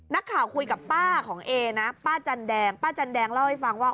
นักข่าวคุยกับป้าของเอนะป้าจันแดงป้าจันแดงเล่าให้ฟังว่า